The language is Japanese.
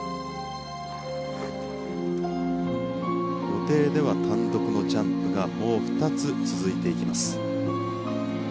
予定では単独のジャンプがもう２つ続きます。